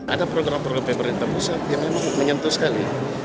ada program program pemerintah pusat yang memang menyentuh sekali